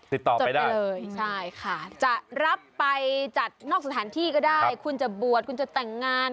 จดได้เลยใช่ค่ะจะรับไปจัดนอกสถานที่ก็ได้คุณจะบวชคุณจะแต่งงาน